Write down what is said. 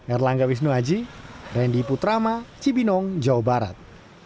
erlangga wisnuaji randy putrama cibinong jawa barat